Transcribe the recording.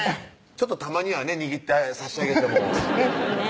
たまにはね握って差し上げてもですね